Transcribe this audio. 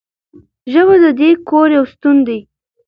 ژبه د دې کور یو ستون دی.